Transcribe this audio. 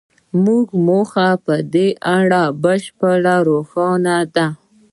زموږ موخه په دې اړه بشپړه روښانه ده